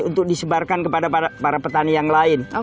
untuk disebarkan kepada para petani yang lain